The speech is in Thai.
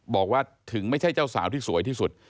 บอกว่าถึงไม่ใช่เจ้าสาวที่สวยที่สุด